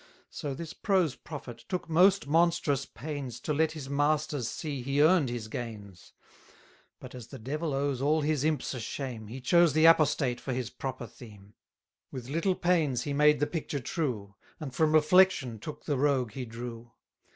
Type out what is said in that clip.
So this prose prophet took most monstrous pains To let his masters see he earn'd his gains. But, as the devil owes all his imps a shame, 370 He chose the apostate for his proper theme; With little pains he made the picture true, And from reflection took the rogue he drew.